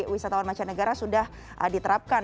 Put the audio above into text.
wisatawan macanegara sudah diterapkan